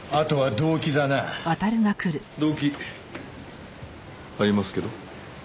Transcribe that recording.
動機ありますけど。